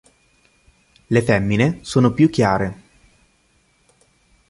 Le femmine sono più chiare.